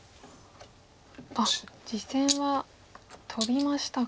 あっ実戦はトビましたか。